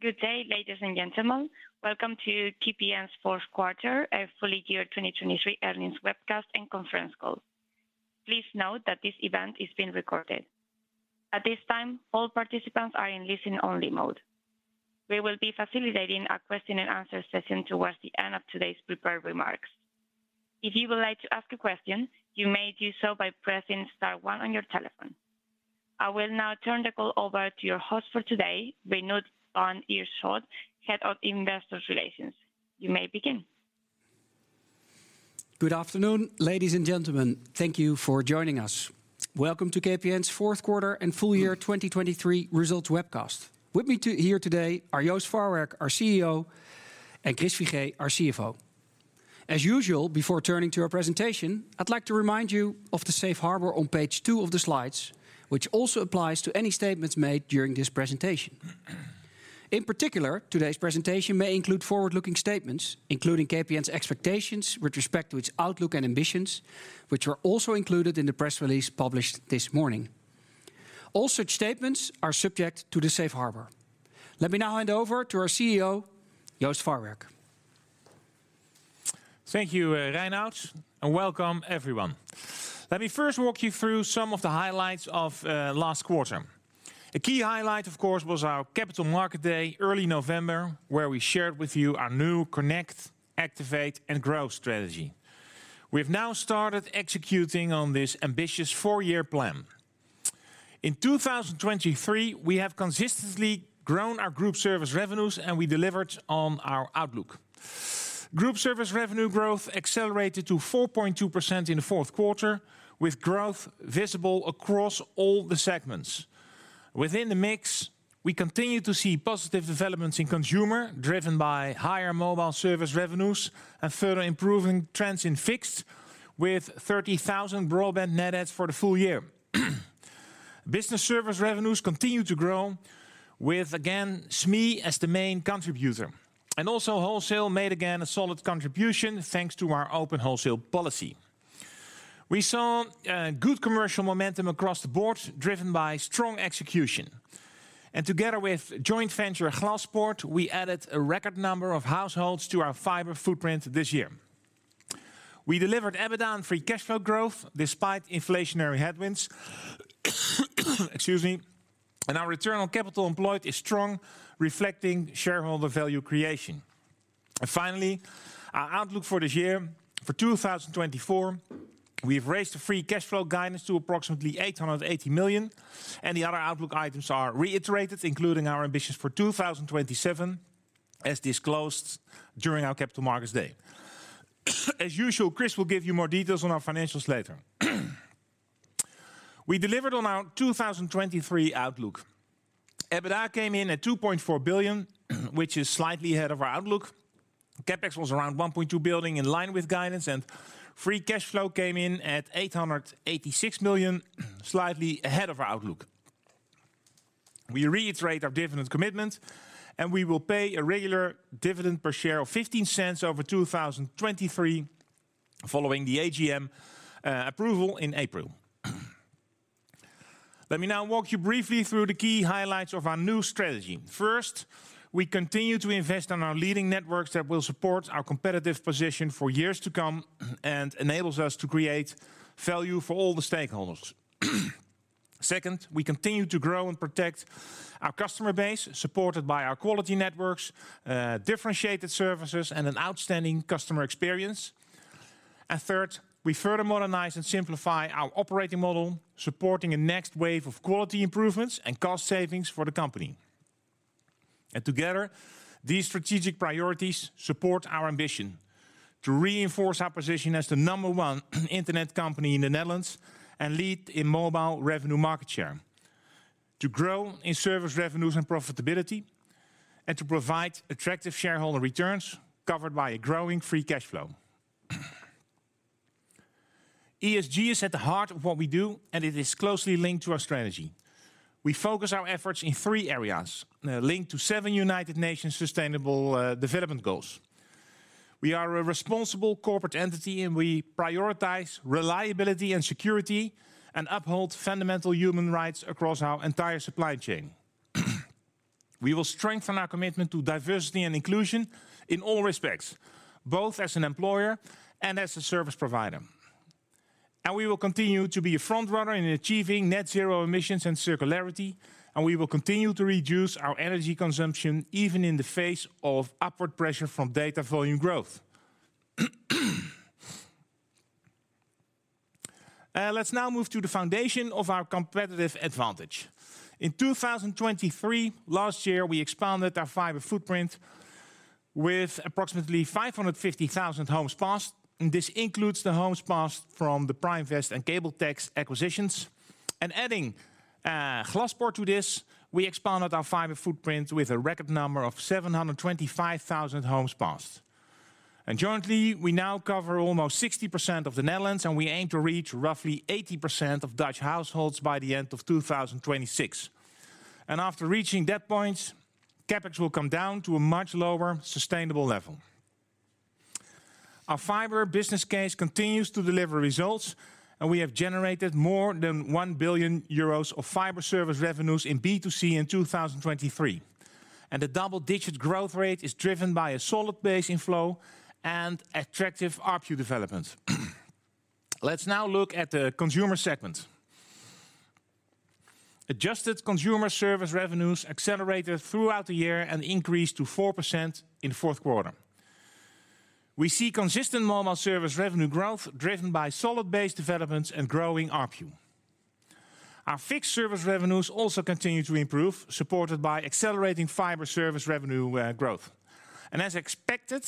Good day, ladies and gentlemen. Welcome to KPN's fourth quarter and full year 2023 earnings webcast and conference call. Please note that this event is being recorded. At this time, all participants are in listen-only mode. We will be facilitating a question and answer session towards the end of today's prepared remarks. If you would like to ask a question, you may do so by pressing star one on your telephone. I will now turn the call over to your host for today, Reinout van Ierschot, Head of Investor Relations. You may begin. Good afternoon, ladies and gentlemen. Thank you for joining us. Welcome to KPN's fourth quarter and full year 2023 results webcast. With me today are Joost Farwerck, our CEO, and Chris Figee, our CFO. As usual, before turning to our presentation, I'd like to remind you of the Safe Harbor on page two of the slides, which also applies to any statements made during this presentation. In particular, today's presentation may include forward-looking statements, including KPN's expectations with respect to its outlook and ambitions, which are also included in the press release published this morning. All such statements are subject to the Safe Harbor. Let me now hand over to our CEO, Joost Farwerck. Thank you, Reinout, and welcome everyone. Let me first walk you through some of the highlights of last quarter. A key highlight, of course, was our Capital Markets Day, early November, where we shared with you our new Connect, Activate & Grow strategy. We've now started executing on this ambitious four-year plan. In 2023, we have consistently grown our group service revenues, and we delivered on our outlook. Group service revenue growth accelerated to 4.2% in the fourth quarter, with growth visible across all the segments. Within the mix, we continue to see positive developments in consumer, driven by higher mobile service revenues and further improving trends in fixed, with 30,000 broadband net adds for the full year. Business service revenues continue to grow with, again, SME as the main contributor. Also, wholesale made again a solid contribution, thanks to our open wholesale policy. We saw good commercial momentum across the board, driven by strong execution. Together with joint venture Glaspoort, we added a record number of households to our fiber footprint this year. We delivered EBITDA and free cash flow growth despite inflationary headwinds. Excuse me. Our return on capital employed is strong, reflecting shareholder value creation. Finally, our outlook for this year. For 2024, we've raised the free cash flow guidance to approximately 880 million, and the other outlook items are reiterated, including our ambitions for 2027, as disclosed during our Capital Markets Day. As usual, Chris will give you more details on our financials later. We delivered on our 2023 outlook. EBITDA came in at 2.4 billion, which is slightly ahead of our outlook. CapEx was around 1.2 billion, in line with guidance, and free cash flow came in at 886 million, slightly ahead of our outlook. We reiterate our dividend commitment, and we will pay a regular dividend per share of 0.15 over 2023, following the AGM approval in April. Let me now walk you briefly through the key highlights of our new strategy. First, we continue to invest in our leading networks that will support our competitive position for years to come, and enables us to create value for all the stakeholders. Second, we continue to grow and protect our customer base, supported by our quality networks, differentiated services, and an outstanding customer experience. And third, we further modernize and simplify our operating model, supporting a next wave of quality improvements and cost savings for the company. And together, these strategic priorities support our ambition: to reinforce our position as the number one internet company in the Netherlands, and lead in mobile revenue market share, to grow in service revenues and profitability, and to provide attractive shareholder returns covered by a growing free cash flow. ESG is at the heart of what we do, and it is closely linked to our strategy. We focus our efforts in three areas linked to seven United Nations Sustainable Development Goals. We are a responsible corporate entity, and we prioritize reliability and security and uphold fundamental human rights across our entire supply chain. We will strengthen our commitment to diversity and inclusion in all respects, both as an employer and as a service provider. We will continue to be a front runner in achieving net zero emissions and circularity, and we will continue to reduce our energy consumption, even in the face of upward pressure from data volume growth. Let's now move to the foundation of our competitive advantage. In 2023, last year, we expanded our fiber footprint with approximately 550,000 homes passed, and this includes the homes passed from the Primevest and Kabeltex acquisitions. Adding Glaspoort to this, we expanded our fiber footprint with a record number of 725,000 homes passed. Jointly, we now cover almost 60% of the Netherlands, and we aim to reach roughly 80% of Dutch households by the end of 2026. After reaching that point, CapEx will come down to a much lower, sustainable level.... Our fiber business case continues to deliver results, and we have generated more than 1 billion euros of fiber service revenues in B2C in 2023. The double-digit growth rate is driven by a solid base inflow and attractive ARPU development. Let's now look at the consumer segment. Adjusted consumer service revenues accelerated throughout the year and increased to 4% in the fourth quarter. We see consistent mobile service revenue growth, driven by solid base developments and growing ARPU. Our fixed service revenues also continue to improve, supported by accelerating fiber service revenue growth. As expected,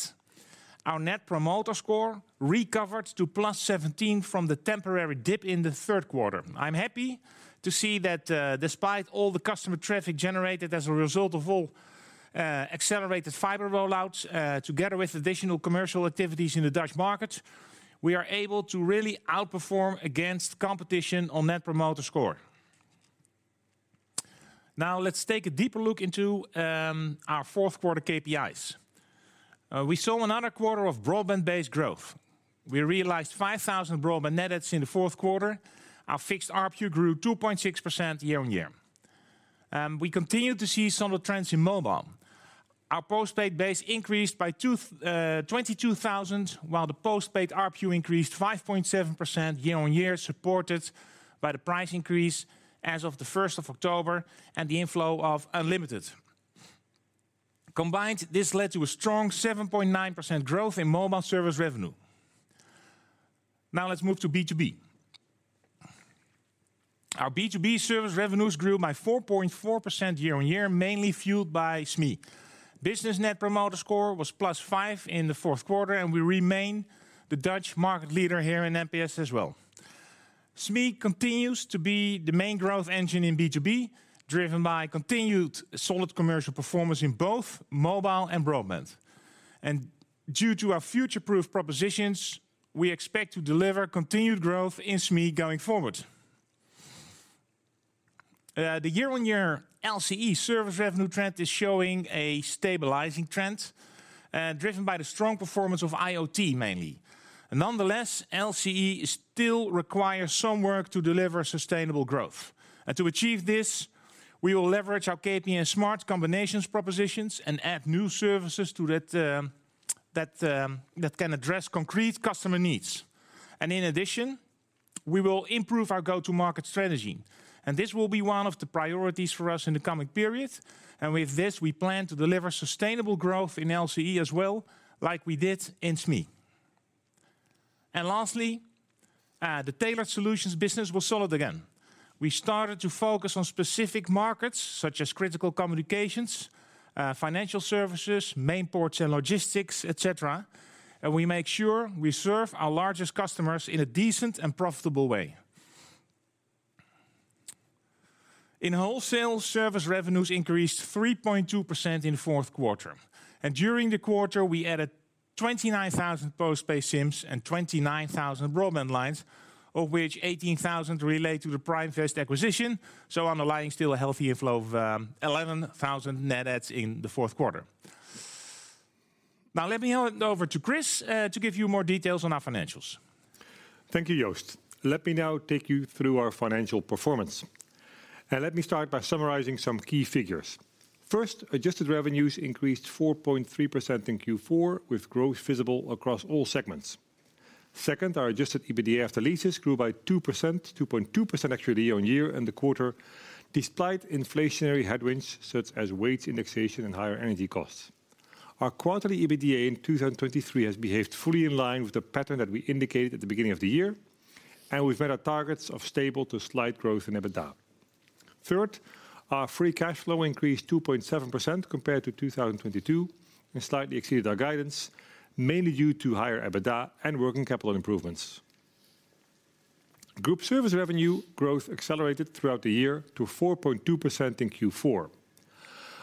our Net Promoter Score recovered to +17 from the temporary dip in the third quarter. I'm happy to see that, despite all the customer traffic generated as a result of all, accelerated fiber rollouts, together with additional commercial activities in the Dutch market, we are able to really outperform against competition on Net Promoter Score. Now, let's take a deeper look into our fourth quarter KPIs. We saw another quarter of broadband-based growth. We realized 5,000 broadband net adds in the fourth quarter. Our fixed ARPU grew 2.6% year-on-year. We continued to see some trends in mobile. Our postpaid base increased by 22,000, while the postpaid ARPU increased 5.7% year-on-year, supported by the price increase as of the first of October and the inflow of Unlimited. Combined, this led to a strong 7.9% growth in mobile service revenue. Now let's move to B2B. Our B2B service revenues grew by 4.4% year-on-year, mainly fueled by SME. Business Net Promoter Score was +5 in the fourth quarter, and we remain the Dutch market leader here in NPS as well. SME continues to be the main growth engine in B2B, driven by continued solid commercial performance in both mobile and broadband. And due to our future-proof propositions, we expect to deliver continued growth in SME going forward. The year-on-year LCE service revenue trend is showing a stabilizing trend, driven by the strong performance of IoT, mainly. Nonetheless, LCE still requires some work to deliver sustainable growth. And to achieve this, we will leverage our KPN Smart Combinations propositions and add new services to that that can address concrete customer needs. In addition, we will improve our go-to-market strategy. This will be one of the priorities for us in the coming period. With this, we plan to deliver sustainable growth in LCE as well, like we did in SME. Lastly, the Tailored Solutions business was solid again. We started to focus on specific markets such as critical communications, financial services, main ports and logistics, et cetera, and we make sure we serve our largest customers in a decent and profitable way. In wholesale, service revenues increased 3.2% in the fourth quarter. During the quarter, we added 29,000 postpaid SIMs and 29,000 broadband lines, of which 18,000 relate to the Primevest acquisition, so underlying still a healthy inflow of 11,000 net adds in the fourth quarter. Now let me hand over to Chris, to give you more details on our financials. Thank you, Joost. Let me now take you through our financial performance. Let me start by summarizing some key figures. First, adjusted revenues increased 4.3% in Q4, with growth visible across all segments. Second, our adjusted EBITDA after leases grew by 2%, 2.2% actually, year-on-year in the quarter, despite inflationary headwinds such as wage indexation and higher energy costs. Our quarterly EBITDA in 2023 has behaved fully in line with the pattern that we indicated at the beginning of the year, and we've met our targets of stable to slight growth in EBITDA. Third, our free cash flow increased 2.7% compared to 2022, and slightly exceeded our guidance, mainly due to higher EBITDA and working capital improvements. Group service revenue growth accelerated throughout the year to 4.2% in Q4.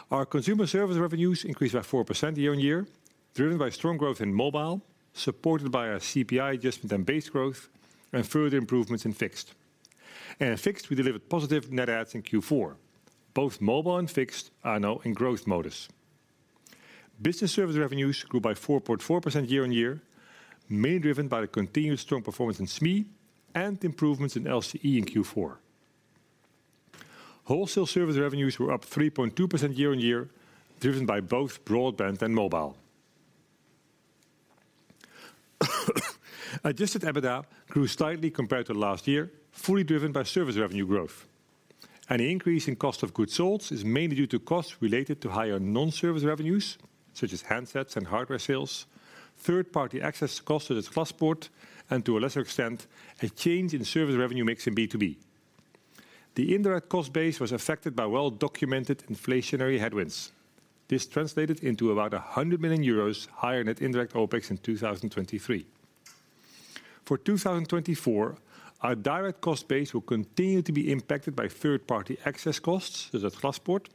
Our consumer service revenues increased by 4% year-on-year, driven by strong growth in mobile, supported by our CPI adjustment and base growth and further improvements in Fixed. In Fixed, we delivered positive net adds in Q4. Both Mobile and Fixed are now in growth modus. Business service revenues grew by 4.4% year-on-year, mainly driven by the continued strong performance in SME and improvements in LCE in Q4. Wholesale service revenues were up 3.2% year-on-year, driven by both broadband and mobile. Adjusted EBITDA grew slightly compared to last year, fully driven by service revenue growth. An increase in cost of goods sold is mainly due to costs related to higher non-service revenues, such as handsets and hardware sales, third-party access costs as Glaspoort, and, to a lesser extent, a change in service revenue mix in B2B. The indirect cost base was affected by well-documented inflationary headwinds. This translated into about 100 million euros higher net indirect OpEx in 2023. For 2024, our direct cost base will continue to be impacted by third-party access costs, such as Glaspoort,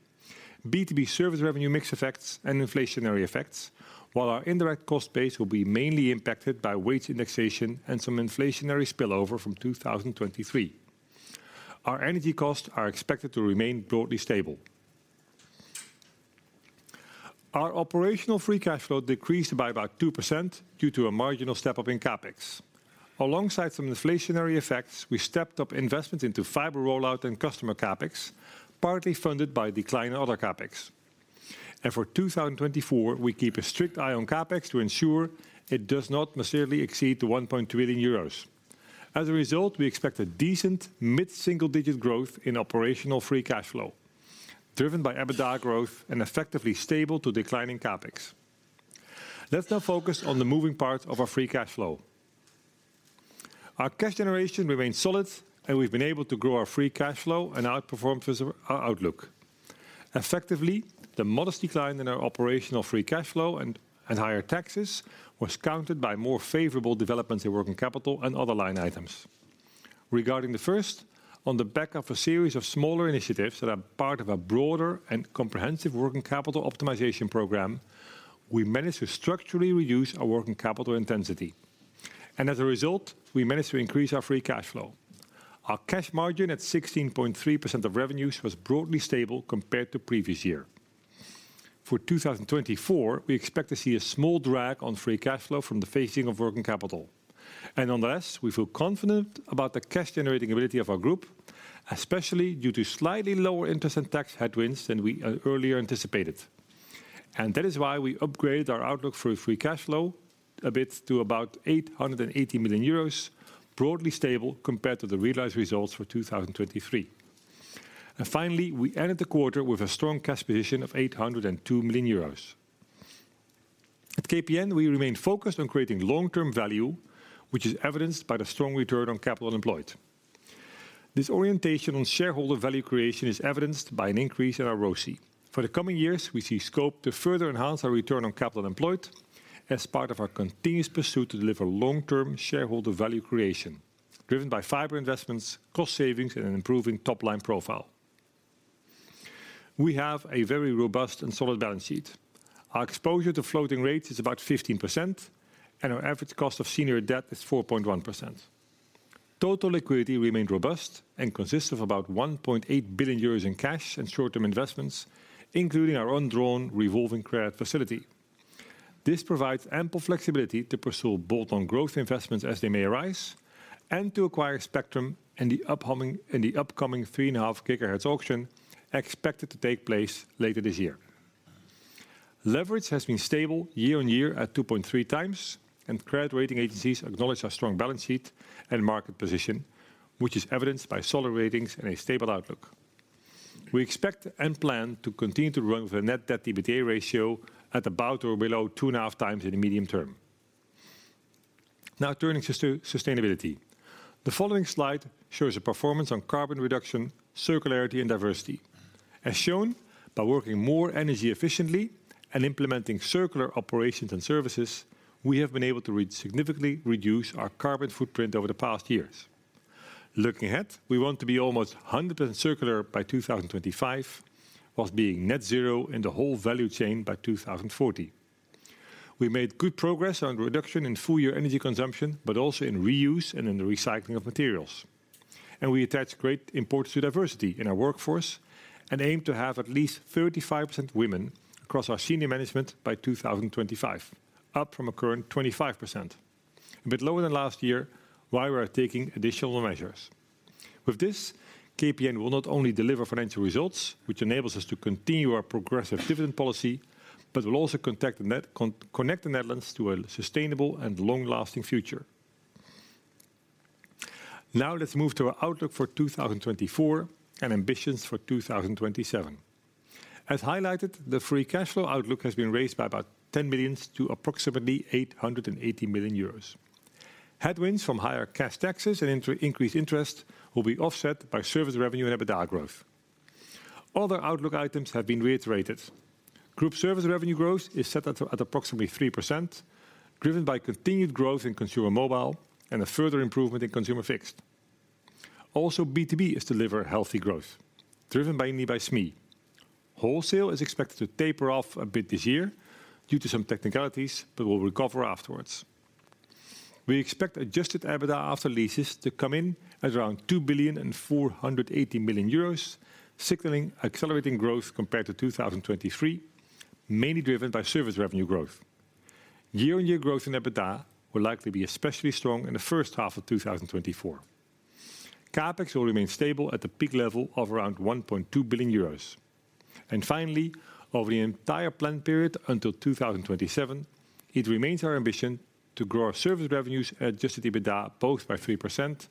B2B service revenue mix effects, and inflationary effects, while our indirect cost base will be mainly impacted by wage indexation and some inflationary spillover from 2023. Our energy costs are expected to remain broadly stable. Our operational free cash flow decreased by about 2% due to a marginal step up in CapEx. Alongside some inflationary effects, we stepped up investment into fiber rollout and customer CapEx, partly funded by a decline in other CapEx. For 2024, we keep a strict eye on CapEx to ensure it does not necessarily exceed 1 [billion euros]. As a result, we expect a decent mid-single-digit growth in operational free cash flow, driven by EBITDA growth and effectively stable to declining CapEx. Let's now focus on the moving parts of our free cash flow. Our cash generation remains solid, and we've been able to grow our free cash flow and outperform fiscal outlook. Effectively, the modest decline in our operational free cash flow and higher taxes was countered by more favorable developments in working capital and other line items. Regarding the first, on the back of a series of smaller initiatives that are part of a broader and comprehensive working capital optimization program, we managed to structurally reduce our working capital intensity. As a result, we managed to increase our free cash flow. Our cash margin at 16.3% of revenues was broadly stable compared to previous year. For 2024, we expect to see a small drag on free cash flow from the phasing of working capital. Unless we feel confident about the cash generating ability of our group, especially due to slightly lower interest and tax headwinds than we earlier anticipated. That is why we upgraded our outlook for free cash flow a bit to about 880 million euros, broadly stable compared to the realized results for 2023. Finally, we ended the quarter with a strong cash position of 802 million euros. At KPN, we remain focused on creating long-term value, which is evidenced by the strong return on capital employed. This orientation on shareholder value creation is evidenced by an increase in our ROCE. For the coming years, we see scope to further enhance our return on capital employed as part of our continuous pursuit to deliver long-term shareholder value creation, driven by fiber investments, cost savings, and improving top-line profile. We have a very robust and solid balance sheet. Our exposure to floating rates is about 15%, and our average cost of senior debt is 4.1%. Total liquidity remained robust and consists of about 1.8 billion euros in cash and short-term investments, including our undrawn revolving credit facility. This provides ample flexibility to pursue bolt-on growth investments as they may arise, and to acquire spectrum in the upcoming 3.5 GHz auction, expected to take place later this year. Leverage has been stable year-on-year at 2.3x, and credit rating agencies acknowledge our strong balance sheet and market position, which is evidenced by solid ratings and a stable outlook. We expect and plan to continue to run the net debt to EBITDA ratio at about or below 2.5x in the medium term. Now turning to sustainability. The following slide shows a performance on carbon reduction, circularity, and diversity. As shown, by working more energy efficiently and implementing circular operations and services, we have been able to significantly reduce our carbon footprint over the past years. Looking ahead, we want to be almost 100% circular by 2025, whilst being net zero in the whole value chain by 2040. We made good progress on the reduction in full year energy consumption, but also in reuse and in the recycling of materials. We attach great importance to diversity in our workforce and aim to have at least 35% women across our senior management by 2025, up from a current 25%. A bit lower than last year, why we are taking additional measures. With this, KPN will not only deliver financial results, which enables us to continue our progressive dividend policy, but will also connect the Netherlands to a sustainable and long-lasting future. Now, let's move to our outlook for 2024, and ambitions for 2027. As highlighted, the free cash flow outlook has been raised by about 10 million to approximately 880 million euros. Headwinds from higher cash taxes and increased interest will be offset by service revenue and EBITDA growth. Other outlook items have been reiterated. Group service revenue growth is set at approximately 3%, driven by continued growth in consumer mobile and a further improvement in consumer fixed. Also, B2B is to deliver healthy growth, driven mainly by SME. Wholesale is expected to taper off a bit this year due to some technicalities, but will recover afterwards. We expect adjusted EBITDA after leases to come in at around 2.48 billion, signaling accelerating growth compared to 2023, mainly driven by service revenue growth. Year-on-year growth in EBITDA will likely be especially strong in the first half of 2024. CapEx will remain stable at the peak level of around 1.2 billion euros. Finally, over the entire plan period until 2027, it remains our ambition to grow our service revenues, adjusted EBITDA, both by 3%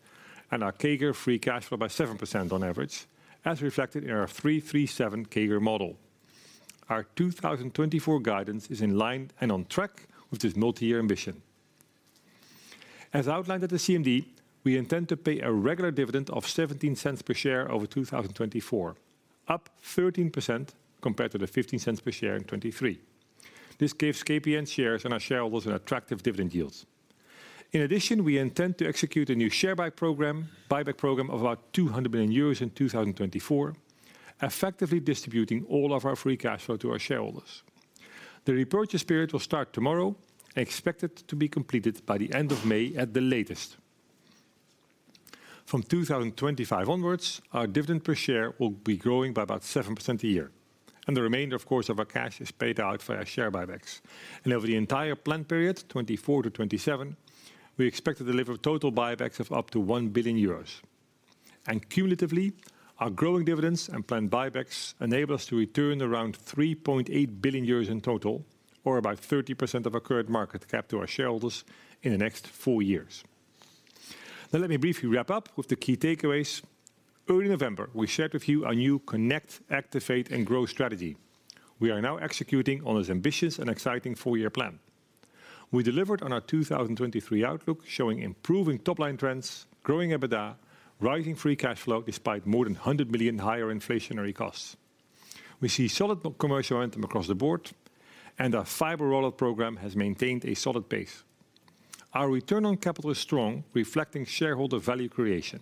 and our CAGR free cash flow by 7% on average, as reflected in our 3-3-7 CAGR model. Our 2024 guidance is in line and on track with this multi-year ambition. As outlined at the CMD, we intend to pay a regular dividend of 0.17 per share over 2024, up 13% compared to the 0.15 per share in 2023. This gives KPN shares and our shareholders an attractive dividend yields. In addition, we intend to execute a new share buy program, buyback program of about 200 million euros in 2024, effectively distributing all of our free cash flow to our shareholders. The repurchase period will start tomorrow and expected to be completed by the end of May at the latest. From 2025 onwards, our dividend per share will be growing by about 7% a year, and the remainder, of course, of our cash is paid out via share buybacks. Over the entire plan period, 2024-2027, we expect to deliver total buybacks of up to 1 billion euros. Cumulatively, our growing dividends and planned buybacks enable us to return around 3.8 billion euros in total, or about 30% of our current market cap to our shareholders in the next four years. Now, let me briefly wrap up with the key takeaways. Early November, we shared with you our new Connect, Activate & Grow strategy. We are now executing on this ambitious and exciting four-year plan. We delivered on our 2023 outlook, showing improving top line trends, growing EBITDA, rising free cash flow, despite more than 100 million higher inflationary costs. We see solid commercial momentum across the board, and our fiber rollout program has maintained a solid pace. Our return on capital is strong, reflecting shareholder value creation.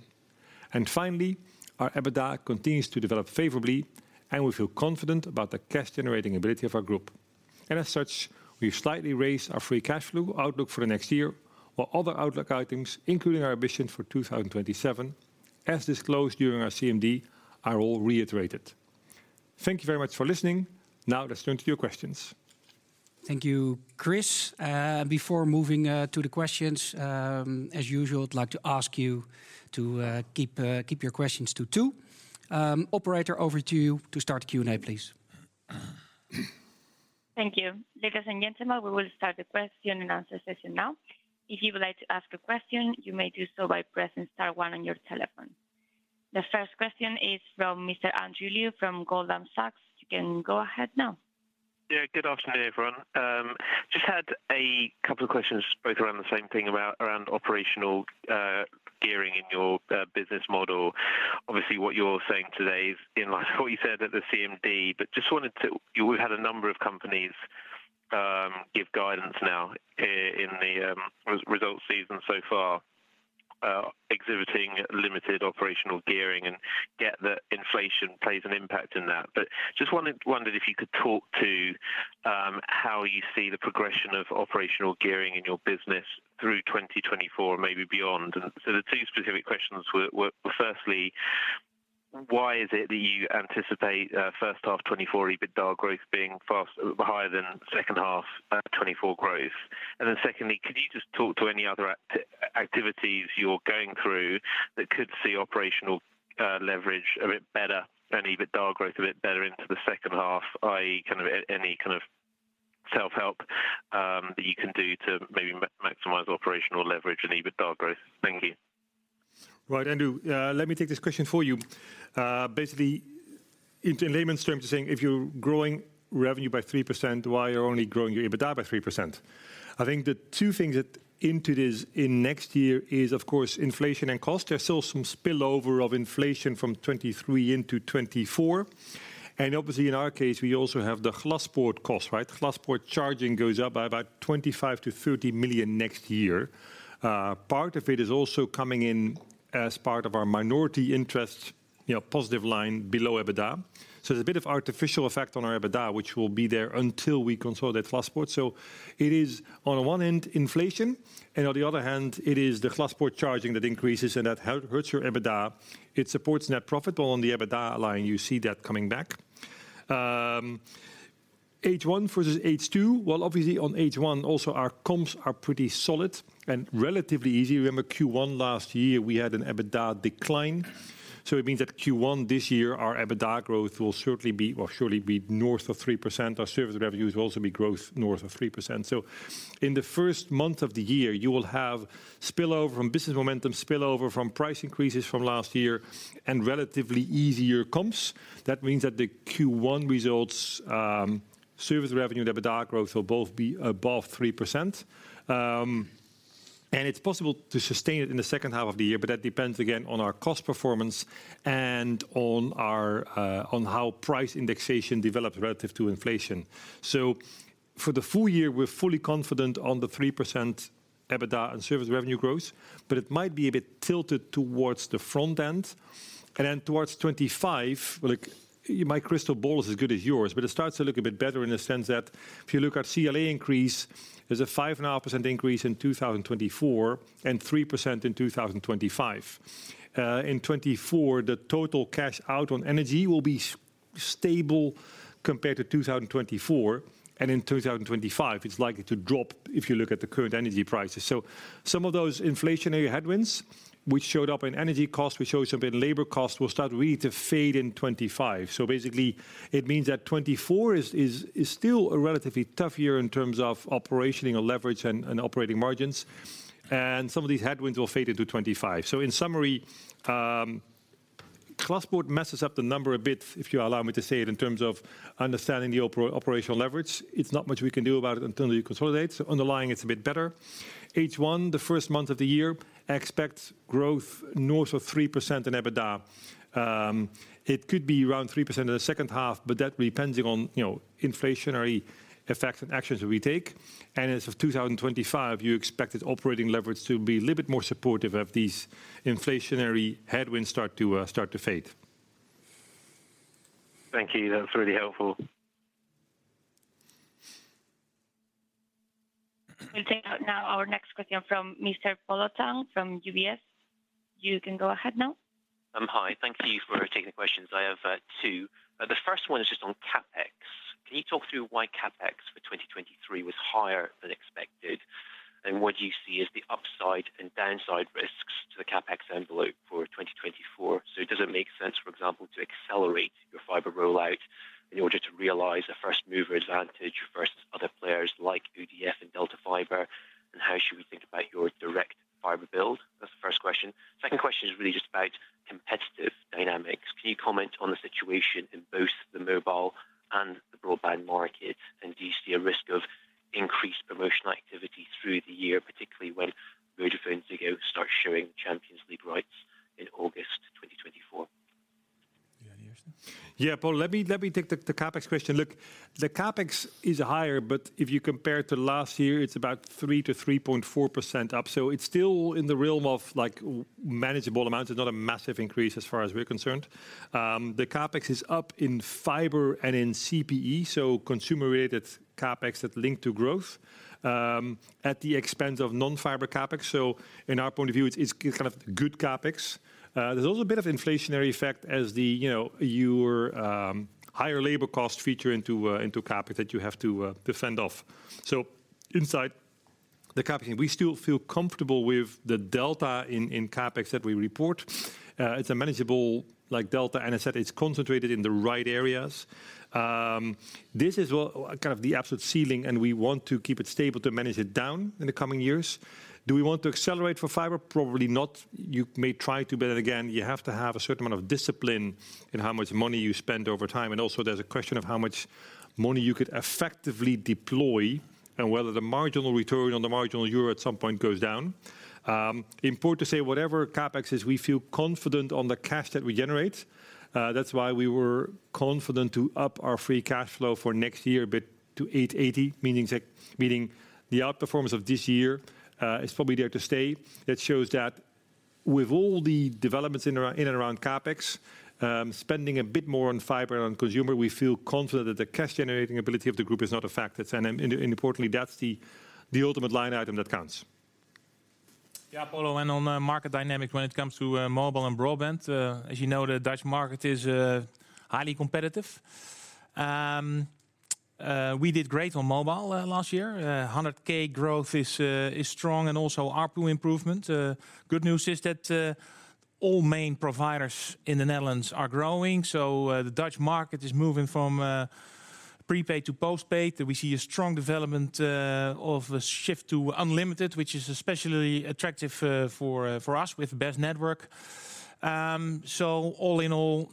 Finally, our EBITDA continues to develop favorably, and we feel confident about the cash-generating ability of our group. As such, we've slightly raised our free cash flow outlook for the next year, while other outlook items, including our ambition for 2027, as disclosed during our CMD, are all reiterated. Thank you very much for listening. Now, let's turn to your questions. Thank you, Chris. Before moving to the questions, as usual, I'd like to ask you to keep your questions to two. Operator, over to you to start the Q&A, please. Thank you. Ladies and gentlemen, we will start the question and answer session now. If you would like to ask a question, you may do so by pressing star one on your telephone. The first question is from Mr. Andrew Lee from Goldman Sachs. You can go ahead now. Yeah, good afternoon, everyone. Just had a couple of questions, both around the same thing, about around operational gearing in your business model. Obviously, what you're saying today is in line with what you said at the CMD, but just wanted to... You would have a number of companies give guidance now in the result season so far, exhibiting limited operational gearing and get that inflation plays an impact in that. But just wondered if you could talk to how you see the progression of operational gearing in your business through 2024 and maybe beyond. So the two specific questions were, firstly, why is it that you anticipate first half 2024 EBITDA growth being faster, higher than second half 2024 growth? Then secondly, can you just talk to any other activities you're going through that could see operational leverage a bit better and EBITDA growth a bit better into the second half, i.e., kind of, any kind of self-help that you can do to maybe maximize operational leverage and EBITDA growth? Thank you. Right, Andrew, let me take this question for you. Basically, in layman's terms, you're saying if you're growing revenue by 3%, why you're only growing your EBITDA by 3%? I think the two things that go into this in next year are, of course, inflation and cost. There's still some spillover of inflation from 2023 into 2024. And obviously, in our case, we also have the Glaspoort cost, right? Glaspoort charging goes up by about 25 million-30 million next year. Part of it is also coming in as part of our minority interest, you know, positive line below EBITDA. So there's a bit of artificial effect on our EBITDA, which will be there until we consolidate Glaspoort. So it is, on the one end, inflation, and on the other hand, it is the Glaspoort charging that increases and that hurts your EBITDA. It supports net profit, while on the EBITDA line, you see that coming back. H1 versus H2? Well, obviously, on H1, also, our comps are pretty solid and relatively easy. Remember, Q1 last year, we had an EBITDA decline, so it means that Q1 this year, our EBITDA growth will certainly be, or surely be, north of 3%. Our service revenues will also be growth north of 3%. So in the first month of the year, you will have spillover from business momentum, spillover from price increases from last year, and relatively easier comps. That means that the Q1 results, service revenue and EBITDA growth will both be above 3%. And it's possible to sustain it in the second half of the year, but that depends, again, on our cost performance and on our, on how price indexation develops relative to inflation. So for the full year, we're fully confident on the 3% EBITDA and service revenue growth, but it might be a bit tilted towards the front end. And then towards 2025, well, look, my crystal ball is as good as yours, but it starts to look a bit better in the sense that if you look at CLA increase, there's a 5.5% increase in 2024, and 3% in 2025. In 2024, the total cash out on energy will be stable compared to 2024, and in 2025, it's likely to drop if you look at the current energy prices. So some of those inflationary headwinds, which showed up in energy costs, which showed up in labor costs, will start really to fade in 2025. So basically, it means that 2024 is still a relatively tough year in terms of operating or leverage and operating margins, and some of these headwinds will fade into 2025. So in summary, Glaspoort messes up the number a bit, if you allow me to say it, in terms of understanding the operational leverage. It's not much we can do about it until you consolidate. So underlying, it's a bit better. H1, the first month of the year, expects growth north of 3% in EBITDA. It could be around 3% in the second half, but that depending on, you know, inflationary effects and actions that we take. And as of 2025, you expect its operating leverage to be a little bit more supportive of these inflationary headwinds start to start to fade. Thank you. That's really helpful. We'll take now our next question from Mr. Polo Tang from UBS. You can go ahead now. Hi. Thank you for taking the questions. I have two. The first one is just on CapEx. Can you talk through why CapEx for 2023 was higher than expected? And what do you see as the upside and downside risks to the CapEx envelope for 2024? So does it make sense, for example, to accelerate your fiber rollout in order to realize a first mover advantage versus other players like ODF and Delta Fiber, and how should we think about your direct fiber build? That's the first question. Second question is really just about competitive dynamics. Can you comment on the situation in both the mobile and the broadband market? And do you see a risk of increased promotional activity through the year, particularly when VodafoneZiggo starts showing Champions League rights in August 2024? Yeah, Paul, let me take the CapEx question. Look, the CapEx is higher, but if you compare it to last year, it's about 3%-3.4% up. So it's still in the realm of, like, manageable amounts. It's not a massive increase as far as we're concerned. The CapEx is up in fiber and in CPE, so consumer-related CapEx that's linked to growth at the expense of non-fiber CapEx. So in our point of view, it's kind of good CapEx. There's also a bit of inflationary effect as, you know, higher labor cost factors into CapEx that you have to fend off. So inside the CapEx, we still feel comfortable with the delta in CapEx that we report. It's a manageable like delta, and I said it's concentrated in the right areas. This is kind of the absolute ceiling, and we want to keep it stable to manage it down in the coming years. Do we want to accelerate for fiber? Probably not. You may try to, but again, you have to have a certain amount of discipline in how much money you spend over time. And also, there's a question of how much money you could effectively deploy, and whether the marginal return on the marginal euro at some point goes down. Important to say, whatever CapEx is, we feel confident on the cash that we generate. That's why we were confident to up our free cash flow for next year, but to 880 million, meaning that, meaning the outperformance of this year is probably there to stay. It shows that with all the developments in and around CapEx, spending a bit more on fiber and on consumer, we feel confident that the cash-generating ability of the group is not a factor. And importantly, that's the ultimate line item that counts. Yeah, Paul, and on the market dynamics, when it comes to mobile and broadband, as you know, the Dutch market is highly competitive. We did great on mobile last year. 100K growth is strong and also ARPU improvement. Good news is that all main providers in the Netherlands are growing, so the Dutch market is moving from prepaid to postpaid. We see a strong development of a shift to Unlimited, which is especially attractive for us with best network. So all in all,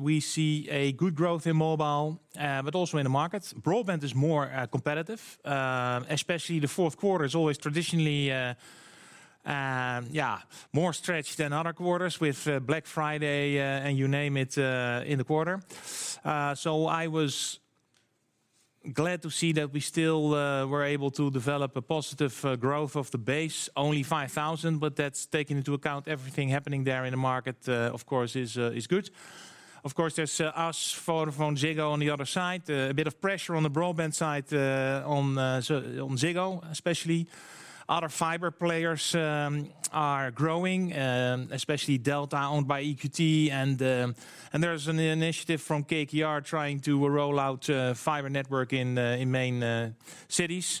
we see a good growth in mobile, but also in the market. Broadband is more competitive, especially the fourth quarter is always traditionally more stretched than other quarters with Black Friday, and you name it, in the quarter. So I was glad to see that we still were able to develop a positive growth of the base. Only 5,000, but that's taking into account everything happening there in the market, of course, is good. Of course, there's us, VodafoneZiggo on the other side. A bit of pressure on the broadband side, on so on Ziggo, especially. Other fiber players are growing, especially DELTA, owned by EQT and the, and there's an initiative from KKR trying to roll out a fiber network in the, in main cities.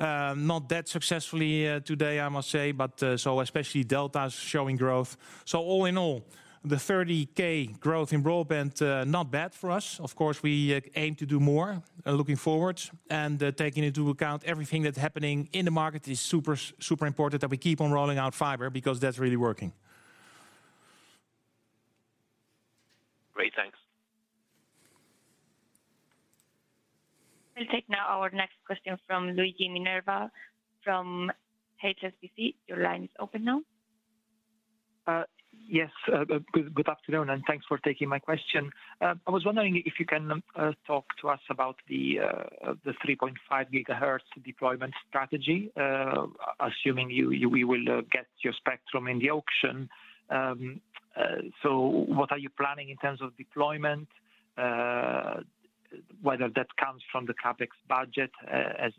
Not that successfully today, I must say, but so especially Delta is showing growth. So all in all, the 30K growth in broadband, not bad for us. Of course, we aim to do more, looking forward. Taking into account everything that's happening in the market is super, super important that we keep on rolling out fiber, because that's really working. Great. Thanks. We'll take now our next question from Luigi Minerva, from HSBC. Your line is open now. Yes, good afternoon, and thanks for taking my question. I was wondering if you can talk to us about the 3.5 GHz deployment strategy, assuming you will get your spectrum in the auction. So what are you planning in terms of deployment? Whether that comes from the CapEx budget, as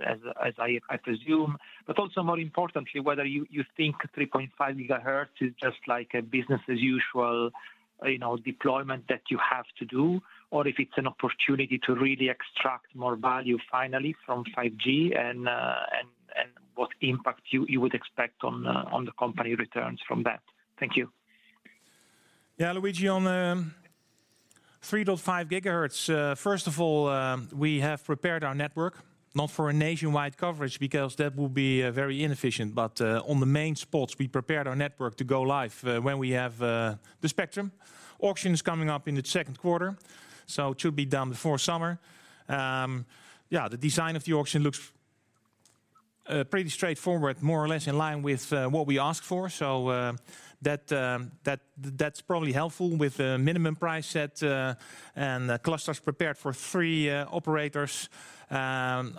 I presume. But also more importantly, whether you think 3.5 GHz is just like a business as usual, you know, deployment that you have to do, or if it's an opportunity to really extract more value finally from 5G, and what impact you would expect on the company returns from that? Thank you. Yeah, Luigi, on 3.5 GHz. First of all, we have prepared our network, not for a nationwide coverage, because that would be very inefficient. But on the main spots, we prepared our network to go live when we have the spectrum. Auction is coming up in the second quarter, so it should be done before summer. Yeah, the design of the auction looks pretty straightforward, more or less in line with what we asked for. So, that's probably helpful with the minimum price set and the clusters prepared for three operators,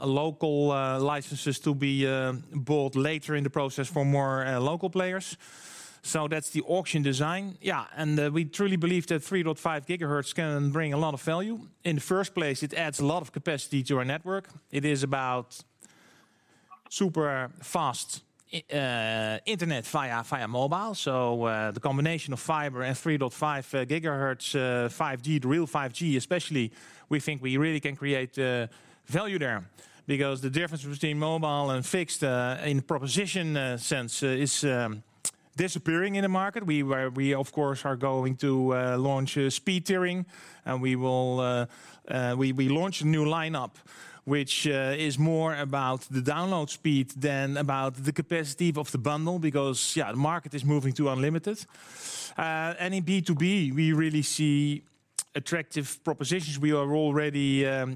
local licenses to be bought later in the process for more local players. So that's the auction design. Yeah, and we truly believe that 3.5 GHz can bring a lot of value. In the first place, it adds a lot of capacity to our network. It is about super fast internet via mobile. So, the combination of fiber and 3.5 GHz 5G, the real 5G especially, we think we really can create value there. Because the difference between mobile and fixed in proposition sense is disappearing in the market. We, of course, are going to launch a speed tiering, and we will launch a new lineup, which is more about the download speed than about the capacity of the bundle, because yeah, the market is moving to Unlimited. And in B2B, we really see attractive propositions. We are already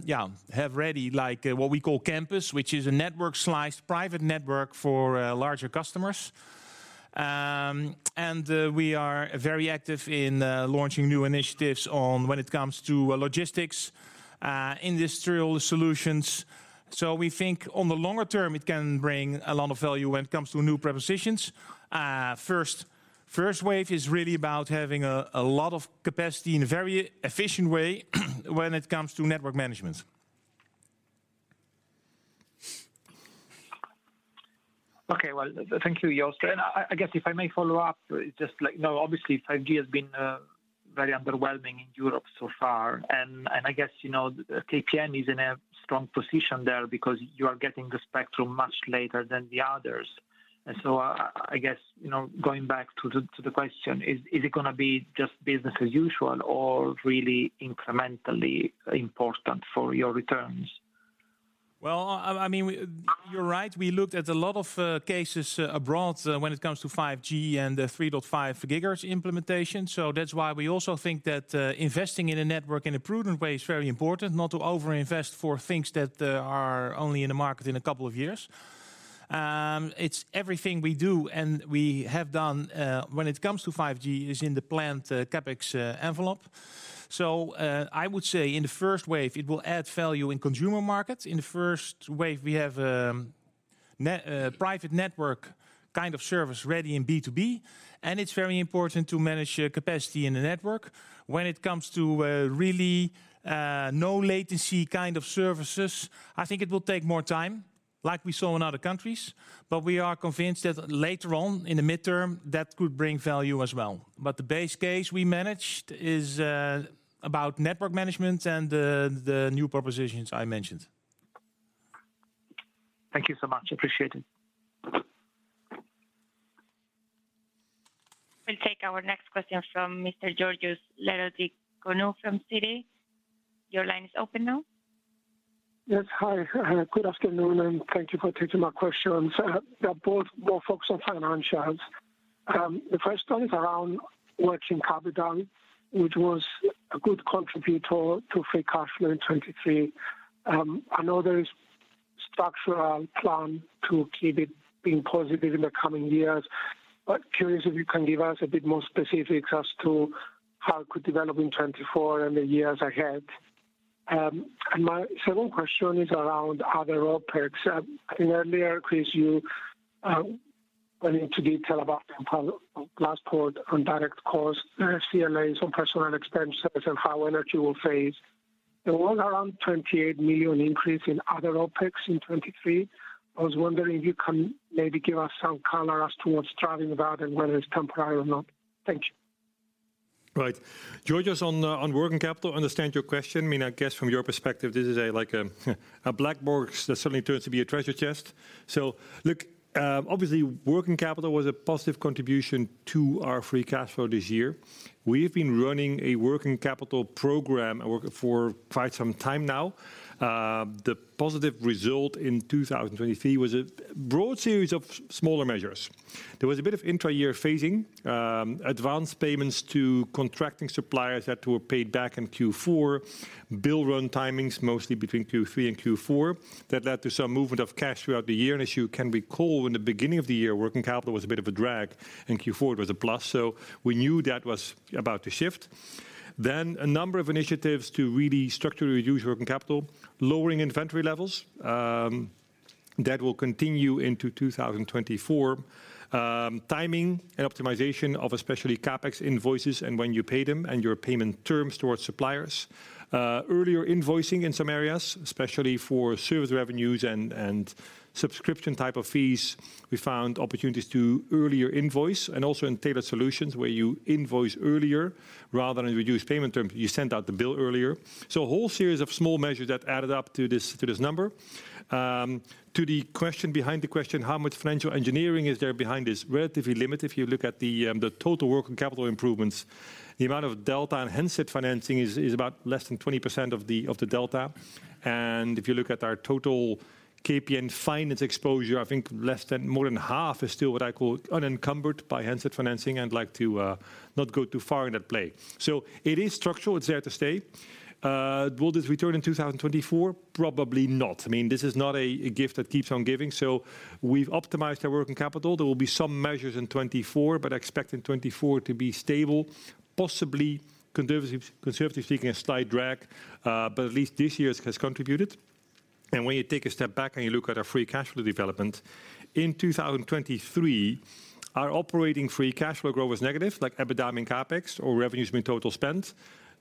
yeah have ready, like, what we call Campus, which is a network slice, private network for larger customers. And we are very active in launching new initiatives on when it comes to logistics, industrial solutions. So we think on the longer term, it can bring a lot of value when it comes to new propositions. First wave is really about having a lot of capacity in a very efficient way, when it comes to network management. Okay, well, thank you, Joost. And I guess, if I may follow up, just like, you know, obviously, 5G has been very underwhelming in Europe so far, and I guess, you know, KPN is in a strong position there because you are getting the spectrum much later than the others. And so, I guess, you know, going back to the question, is it gonna be just business as usual or really incrementally important for your returns? Well, I mean, you're right. We looked at a lot of cases abroad when it comes to 5G and the 3.5 GHz implementation. So that's why we also think that investing in a network in a prudent way is very important, not to over-invest for things that are only in the market in a couple of years. It's everything we do, and we have done, when it comes to 5G, is in the planned CapEx envelope. So I would say in the first wave, it will add value in consumer markets. In the first wave, we have next private network kind of service ready in B2B, and it's very important to manage capacity in the network. When it comes to really no latency kind of services, I think it will take more time, like we saw in other countries. But we are convinced that later on, in the midterm, that could bring value as well. But the base case we managed is about network management and the new propositions I mentioned. Thank you so much. Appreciate it. We'll take our next question from Mr. Georgios Ierodiaconou from Citi. Your line is open now. Yes. Hi, good afternoon, and thank you for taking my questions. They're both more focused on financials. The first one is around working capital, which was a good contributor to free cash flow in 2023. I know there is structural plan to keep it being positive in the coming years, but curious if you can give us a bit more specifics as to how it could develop in 2024 and the years ahead. And my second question is around other OpEx. I think earlier, Chris, you went into detail about last part on direct costs, CLAs on personal expenses, and how energy will phase. There was around 28 million increase in other OpEx in 2023. I was wondering if you can maybe give us some color as to what's driving that and whether it's temporary or not. Thank you. Right. Georgios, on working capital, I understand your question. I mean, I guess from your perspective, this is a, like, a black box that suddenly turns to be a treasure chest. So look, obviously, working capital was a positive contribution to our free cash flow this year. We've been running a working capital program for quite some time now. The positive result in 2023 was a broad series of smaller measures. There was a bit of intra-year phasing, advanced payments to contracting suppliers that were paid back in Q4, bill run timings, mostly between Q3 and Q4. That led to some movement of cash throughout the year. And as you can recall, in the beginning of the year, working capital was a bit of a drag, in Q4 it was a plus. So we knew that was about to shift. Then a number of initiatives to really structurally reduce working capital, lowering inventory levels, that will continue into 2024. Timing and optimization of especially CapEx invoices and when you pay them, and your payment terms towards suppliers. Earlier invoicing in some areas, especially for service revenues and subscription type of fees, we found opportunities to earlier invoice and also in tailored solutions where you invoice earlier rather than reduce payment terms, you send out the bill earlier. So a whole series of small measures that added up to this, to this number. To the question behind the question, how much financial engineering is there behind this? Relatively limited. If you look at the total work and capital improvements, the amount of delta and handset financing is about less than 20% of the delta. If you look at our total KPN finance exposure, I think less than more than half is still what I call unencumbered by handset financing. I'd like to not go too far in that play. So it is structural, it's there to stay. Will this return in 2024? Probably not. I mean, this is not a gift that keeps on giving, so we've optimized our working capital. There will be some measures in 2024, but I expect in 2024 to be stable, possibly conservative speaking, a slight drag, but at least this year it has contributed. When you take a step back and you look at our free cash flow development, in 2023, our operating free cash flow growth was negative, like EBITDA and CapEx, or revenues mean total spent.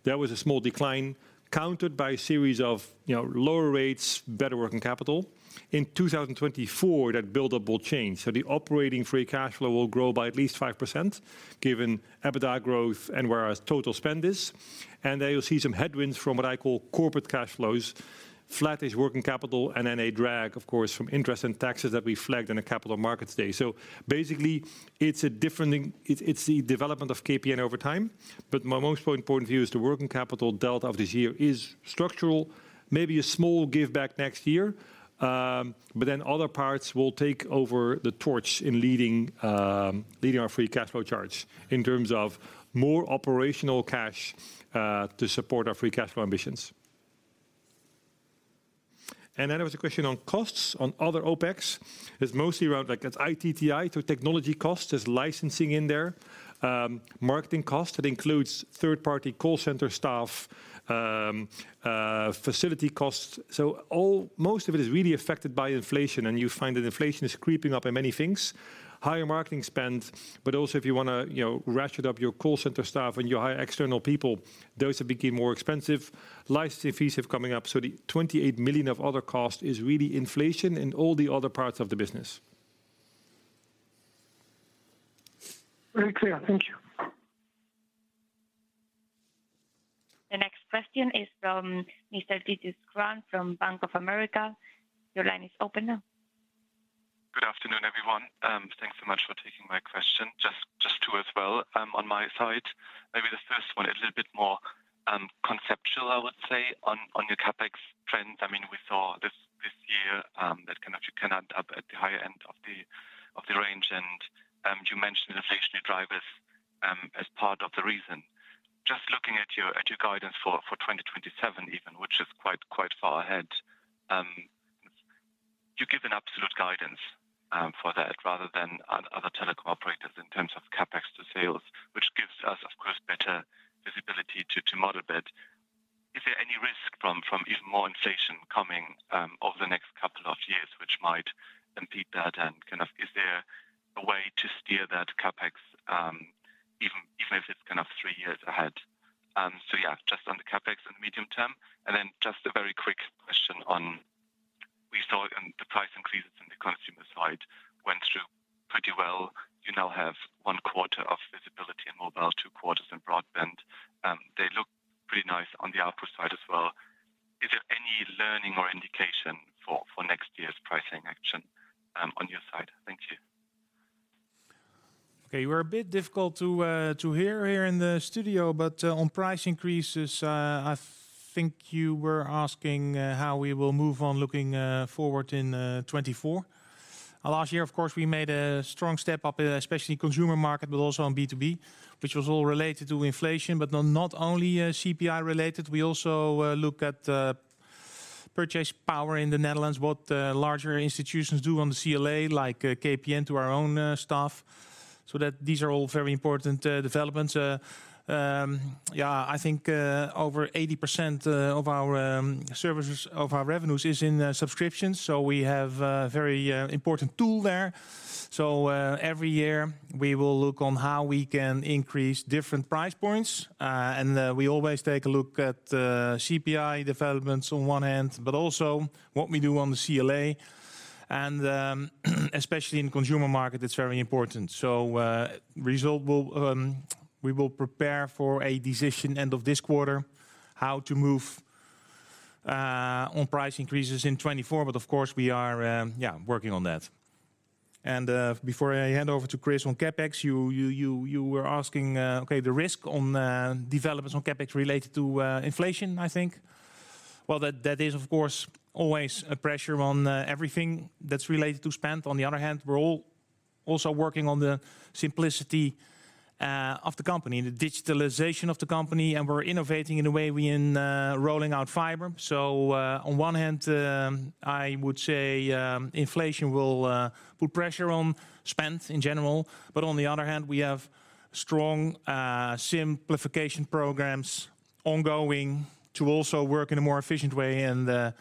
There was a small decline countered by a series of, you know, lower rates, better working capital. In 2024, that buildup will change. So the operating free cash flow will grow by at least 5%, given EBITDA growth and where our total spend is. And there you'll see some headwinds from what I call corporate cash flows, flattish working capital, and then a drag, of course, from interest and taxes that we flagged on a Capital Markets Day. So basically, it's a different thing. It, it's the development of KPN over time. But my most important view is the working capital delta of this year is structural, maybe a small give back next year, but then other parts will take over the torch in leading our free cash flow charge, in terms of more operational cash, to support our free cash flow ambitions. And then there was a question on costs, on other OPEX. It's mostly around, like, it's IT/TI, to technology costs. There's licensing in there, marketing costs, that includes third-party call center staff, facility costs. So all, most of it is really affected by inflation, and you find that inflation is creeping up in many things. Higher marketing spend, but also if you wanna, you know, ratchet up your call center staff and you hire external people, those will become more expensive. Licensing fees are coming up, so the 28 million of other costs is really inflation in all the other parts of the business. Very clear. Thank you. The next question is from Mr. Titus Krahn from Bank of America. Your line is open now. Good afternoon, everyone. Thanks so much for taking my question. Just two as well, on my side. Maybe the first one a little bit more conceptual, I would say, on your CapEx trends. I mean, we saw this year that can actually end up at the higher end of the range, and you mentioned inflationary drivers as part of the reason. Just looking at your guidance for 2027 even, which is quite far ahead, you give an absolute guidance for that, rather than other telecom operators in terms of CapEx to sales, which gives us, of course, better visibility to model it. Is there any risk from even more inflation coming over the next couple of years, which might impede that? Kind of, is there a way to steer that CapEx, even if it's kind of three years ahead? So yeah, just on the CapEx and the medium term, and then just a very quick question on the price increases in the consumer side went through pretty well. You now have one quarter of visibility in mobile, two quarters in broadband. They look pretty nice on the output side as well. Is there any learning or indication for next year's pricing action on your side? Thank you. Okay, you were a bit difficult to hear here in the studio, but on price increases, I think you were asking how we will move on looking forward in 2024. Last year, of course, we made a strong step up, especially in consumer market, but also on B2B, which was all related to inflation, but not only CPI related. We also look at purchase power in the Netherlands, what larger institutions do on the CLA, like KPN to our own staff. So these are all very important developments. Yeah, I think over 80% of our services, of our revenues is in subscriptions, so we have a very important tool there. So every year, we will look on how we can increase different price points. We always take a look at the CPI developments on one hand, but also what we do on the CLA. Especially in consumer market, it's very important. So, we will prepare for a decision end of this quarter, how to move on price increases in 2024, but of course we are working on that. Before I hand over to Chris on CapEx, you were asking, okay, the risk on developments on CapEx related to inflation, I think. Well, that is, of course, always a pressure on everything that's related to spend. On the other hand, we're all also working on the simplicity of the company, the digitalization of the company, and we're innovating in the way we're rolling out fiber. On one hand, I would say inflation will put pressure on spend in general, but on the other hand, we have strong simplification programs ongoing to also work in a more efficient way and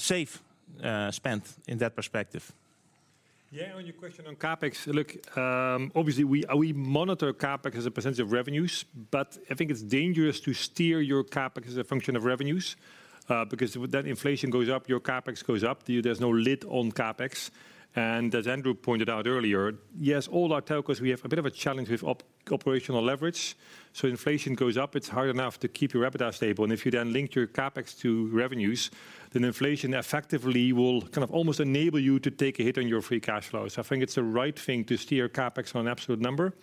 save spend in that perspective. Yeah, on your question on CapEx, look, obviously we monitor CapEx as a percentage of revenues, but I think it's dangerous to steer your CapEx as a function of revenues, because with that, inflation goes up, your CapEx goes up. There's no lid on CapEx. And as Andrew pointed out earlier, yes, all our telcos, we have a bit of a challenge with operational leverage. So inflation goes up, it's hard enough to keep your EBITDA stable, and if you then link your CapEx to revenues, then inflation effectively will kind of almost enable you to take a hit on your free cash flows. I think it's the right thing to steer CapEx on an absolute number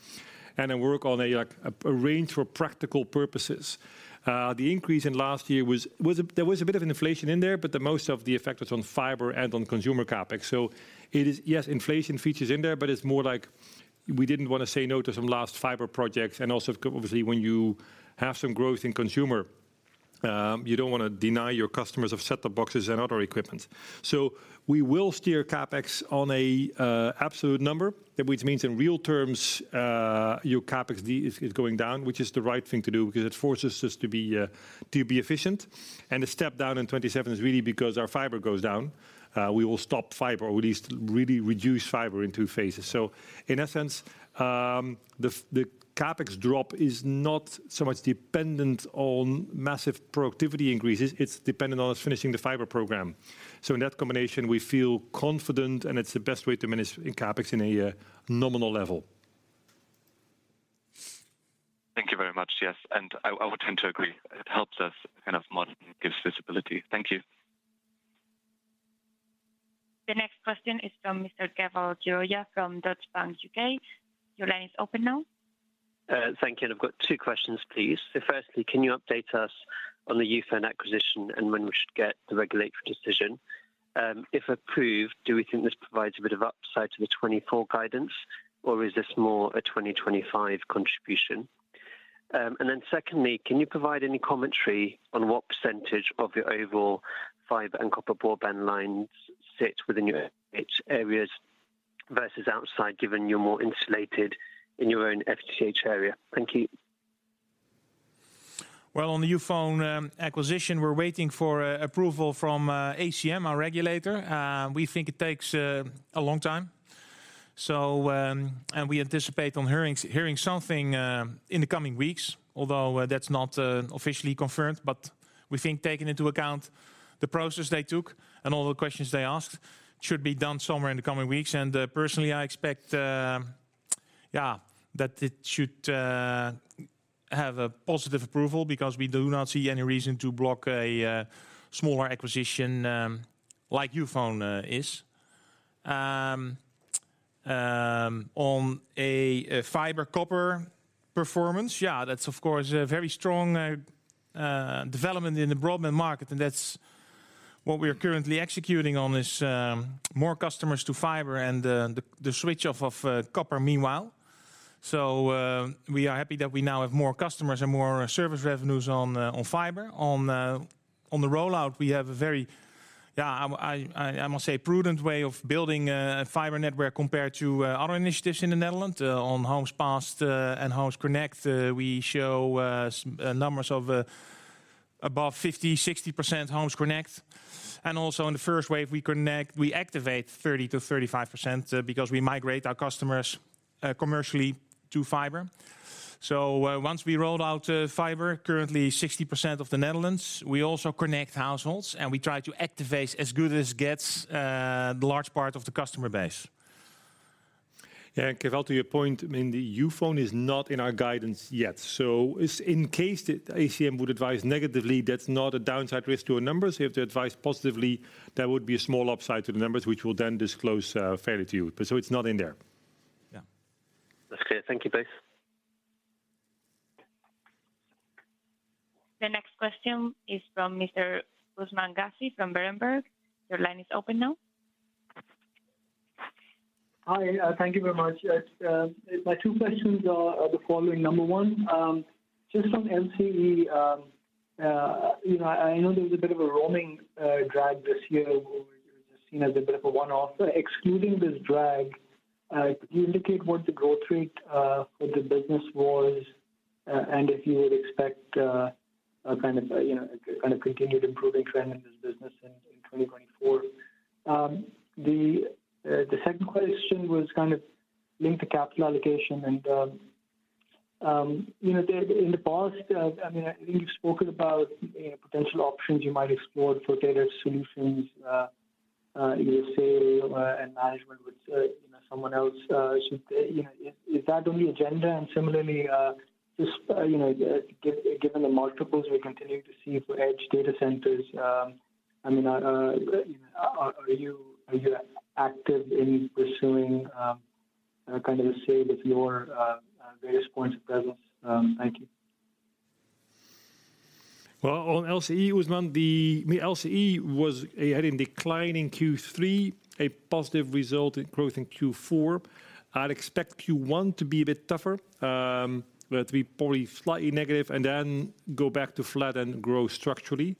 and then work on a, like, a range for practical purposes. The increase in last year was— There was a bit of inflation in there, but the most of the effect was on fiber and on consumer CapEx. So it is, yes, inflation features in there, but it's more like we didn't want to say no to some last fiber projects, and also obviously, when you have some growth in consumer, you don't want to deny your customers of set-top boxes and other equipment. So we will steer CapEx on a absolute number, which means in real terms, your CapEx D is going down, which is the right thing to do because it forces us to be to be efficient. And the step down in 2027 is really because our fiber goes down. We will stop fiber, or at least really reduce fiber in two phases. So in essence, the CapEx drop is not so much dependent on massive productivity increases, it's dependent on us finishing the fiber program. So in that combination, we feel confident, and it's the best way to manage in CapEx in a nominal level. Thank you very much. Yes, and I, I would tend to agree. It helps us kind of model and gives visibility. Thank you. The next question is from Mr. Keval Khiroya from Deutsche Bank, U.K. Your line is open now. Thank you. And I've got two questions, please. So firstly, can you update us on the Youfone acquisition and when we should get the regulatory decision? If approved, do we think this provides a bit of upside to the 2024 guidance, or is this more a 2025 contribution? And then secondly, can you provide any commentary on what percentage of your overall fiber and copper broadband lines sit within your edge areas versus outside, given you're more insulated in your own FTTH area? Thank you. Well, on the Youfone acquisition, we're waiting for approval from ACM, our regulator. We think it takes a long time. So, and we anticipate on hearing something in the coming weeks, although that's not officially confirmed. But we think taking into account the process they took and all the questions they asked, should be done somewhere in the coming weeks. And, personally, I expect, yeah, that it should have a positive approval because we do not see any reason to block a smaller acquisition like Youfone is. On a fiber copper performance, yeah, that's of course a very strong development in the broadband market, and that's what we are currently executing on, more customers to fiber and the switch off of copper meanwhile. So, we are happy that we now have more customers and more service revenues on fiber. On the rollout, we have a very, yeah, I must say, prudent way of building a fiber network compared to other initiatives in the Netherlands. On homes passed and homes connected, we show numbers of above 50%, 60% homes connected. And also in the first wave, we activate 30%-35%, because we migrate our customers commercially to fiber. So, once we rolled out fiber, currently 60% of the Netherlands, we also connect households, and we try to activate as good as it gets the large part of the customer base. Yeah, and Keval, to your point, I mean, the Youfone is not in our guidance yet. So it's in case the ACM would advise negatively, that's not a downside risk to our numbers. If they advise positively, that would be a small upside to the numbers, which we'll then disclose fairly to you. But so it's not in there. Yeah. That's clear. Thank you both. The next question is from Mr. Usman Ghazi from Berenberg. Your line is open now. Hi, thank you very much. Yes, my two questions are the following: number one, just on LCE, you know, I know there was a bit of a roaming drag this year, or you're just seeing as a bit of a one-off. Excluding this drag, could you indicate what the growth rate for the business was, and if you would expect a kind of continued improving trend in this business in 2024? The second question was kind of linked to capital allocation and, you know, the, in the past, I mean, I think you've spoken about, you know, potential options you might explore for data solutions, you would say, and management with, you know, someone else, should, you know, is that on the agenda? And similarly, just, you know, given the multiples we're continuing to see for edge data centers, I mean, are you active in pursuing kind of the same with your various points of presence? Thank you. Well, on LCE, the LCE was, had a decline in Q3, a positive result in growth in Q4. I'd expect Q1 to be a bit tougher, but to be probably slightly negative and then go back to flat and grow structurally.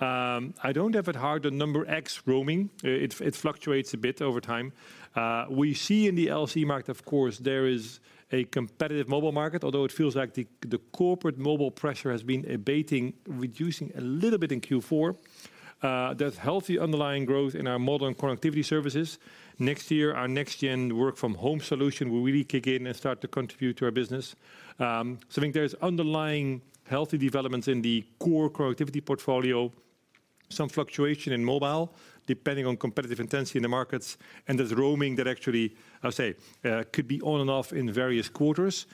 I don't have it hard, the number X roaming. It fluctuates a bit over time. We see in the LCE market, of course, there is a competitive mobile market, although it feels like the corporate mobile pressure has been abating, reducing a little bit in Q4. There's healthy underlying growth in our modern connectivity services. Next year, our next gen work from home solution will really kick in and start to contribute to our business. So I think there is underlying healthy developments in the core productivity portfolio, some fluctuation in mobile, depending on competitive intensity in the markets, and there's roaming that actually, I'll say, could be on and off in various quarters.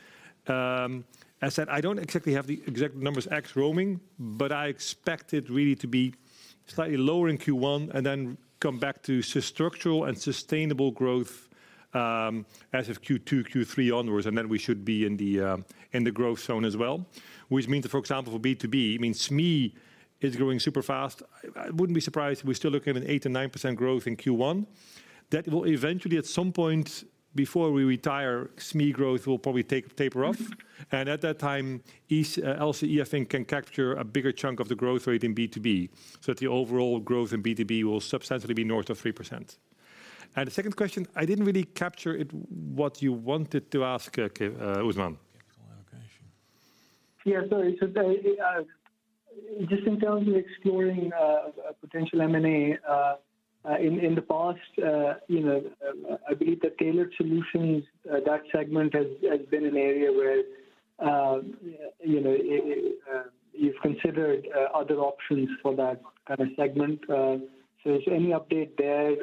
As I said, I don't exactly have the exact numbers, X roaming, but I expect it really to be slightly lower in Q1 and then come back to structural and sustainable growth, as of Q2, Q3 onwards, and then we should be in the growth zone as well. Which means, for example, for B2B, it means SME is growing super fast. I wouldn't be surprised if we're still looking at an 8%-9% growth in Q1. That will eventually, at some point before we retire, SME growth will probably taper off, and at that time, each LCE, I think, can capture a bigger chunk of the growth rate in B2B, so that the overall growth in B2B will substantially be north of 3%. The second question, I didn't really capture it, what you wanted to ask, Usman? Yeah, so just in terms of exploring a potential M&A in the past, you know, I believe that tailored solutions that segment has been an area where, you know, you've considered other options for that kind of segment. So is there any update there?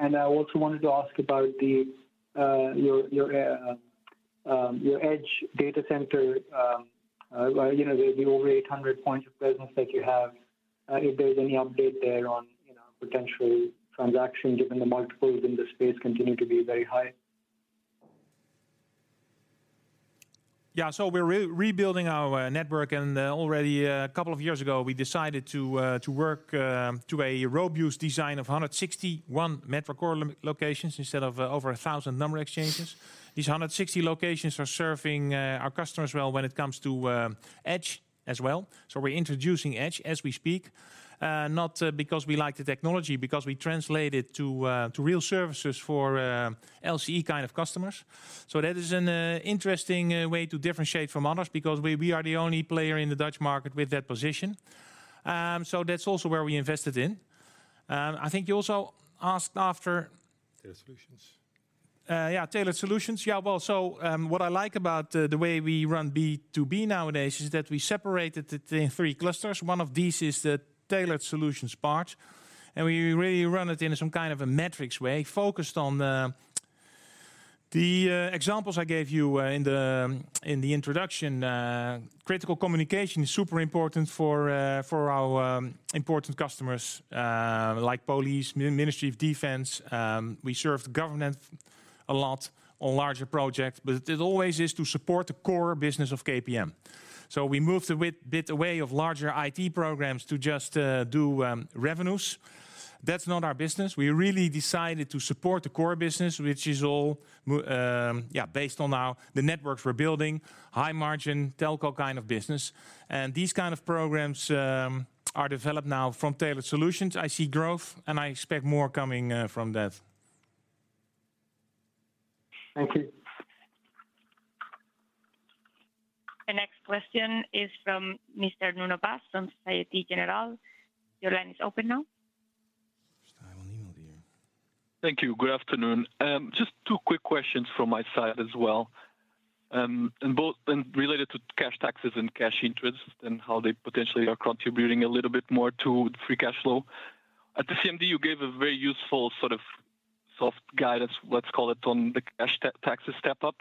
And I also wanted to ask about your edge data center. You know, the over 800 points of presence that you have, if there's any update there on, you know, potential transaction, given the multiples in the space continue to be very high. Yeah. So we're rebuilding our network, and already a couple of years ago, we decided to work to a robust design of 161 metro core locations instead of over a thousand number exchanges. These 160 locations are serving our customers well when it comes to edge as well. So we're introducing edge as we speak. Not because we like the technology, because we translate it to real services for LCE kind of customers. So that is an interesting way to differentiate from others, because we are the only player in the Dutch market with that position. So that's also where we invested in. I think you also asked after- Tailored solutions. Yeah, tailored solutions. Yeah, well, so, what I like about the way we run B2B nowadays is that we separated it in three clusters. One of these is the Tailored Solutions part, and we really run it in some kind of a metrics way, focused on the examples I gave you in the introduction. Critical communication is super important for our important customers, like police, Ministry of Defense. We serve the government a lot on larger projects, but it always is to support the core business of KPN. So we moved a bit away from larger IT programs to just do revenues. That's not our business. We really decided to support the core business, which is all based on our, the networks we're building, high margin, telco kind of business. And these kind of programs are developed now from tailored solutions. I see growth, and I expect more coming from that. Thank you. The next question is from Mr. Nuno Vaz from Société Générale. Your line is open now. Thank you. Good afternoon. Just two quick questions from my side as well. And both related to cash taxes and cash interest, and how they potentially are contributing a little bit more to the free cash flow. At the same day, you gave a very useful, sort of, soft guidance, let's call it, on the cash taxes step up,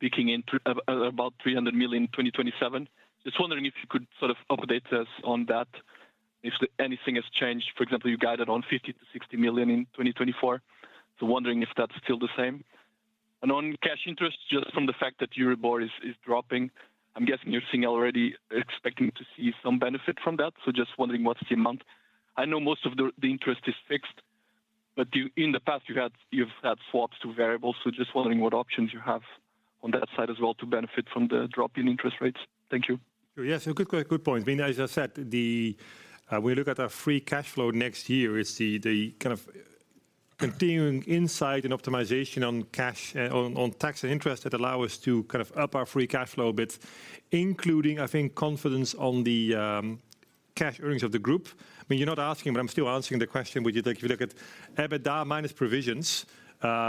peaking into about 300 million in 2027. Just wondering if you could sort of update us on that, if anything has changed. For example, you guided on 50 million-60 million in 2024. So wondering if that's still the same? And on cash interest, just from the fact that EURIBOR is dropping, I'm guessing you're seeing already, expecting to see some benefit from that. So just wondering, what's the amount? I know most of the interest is fixed, but you, in the past, you've had swaps to variables, so just wondering what options you have on that side as well to benefit from the drop in interest rates. Thank you. Yes, so good point. I mean, as I said, the we look at our free cash flow next year is the kind of continuing insight and optimization on cash, on tax and interest that allow us to kind of up our free cash flow a bit, including, I think, confidence on the cash earnings of the group. I mean, you're not asking, but I'm still answering the question, which is like, if you look at EBITDA minus provisions,